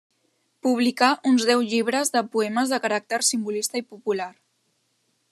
Publicà uns deu llibres de poemes de caràcter simbolista i popular.